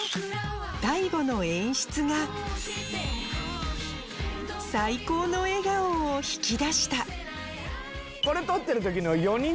大悟の演出が最高の笑顔を引き出したこれ撮ってる時の。